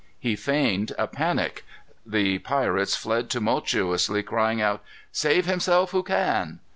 He feigned a panic. The pirates fled tumultuously, crying out, "Save himself who can."